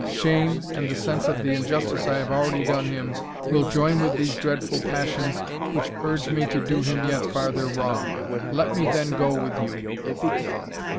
Shame, and the sense of the injustice I have already done him, will join with these dreadful passions which urge me to do him yet farther wrong. Let me then go with you."